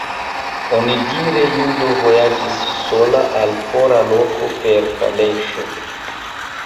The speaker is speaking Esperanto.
Onidire judo vojaĝis sola al fora loko per kaleŝo.